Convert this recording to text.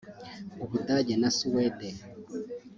u Budage na Suwede